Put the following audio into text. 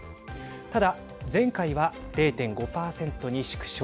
ただ、前回は０．５％に縮小。